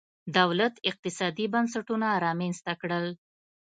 دولت اقتصادي بنسټونه رامنځته کړل.